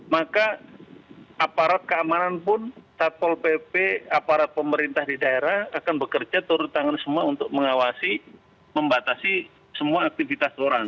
maka aparat keamanan pun satpol pp aparat pemerintah di daerah akan bekerja turun tangan semua untuk mengawasi membatasi semua aktivitas kelurahan